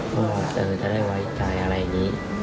เขาบอกว่าเออจะได้ไว้ใจอะไรอย่างนี้